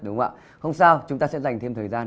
đúng không ạ ông sao chúng ta sẽ dành thêm thời gian